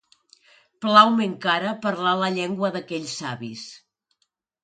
Plau-me encara parlar la llengua d'aquells savis